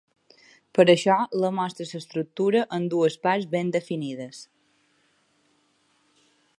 Per això, la mostra s’estructura en dues parts ben definides.